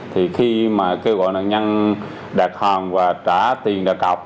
thì khi mà kêu gọi nạn nhân đạt hàng và trả tiền đạt cọc